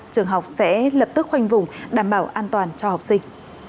trường học sẽ lập tức khoanh vùng đảm bảo an toàn cho học sinh